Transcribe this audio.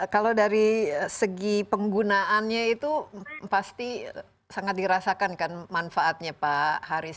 kalau dari segi penggunaannya itu pasti sangat dirasakan kan manfaatnya pak haris